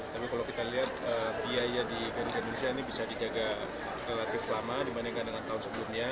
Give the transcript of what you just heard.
tapi kalau kita lihat biaya di garuda indonesia ini bisa dijaga relatif lama dibandingkan dengan tahun sebelumnya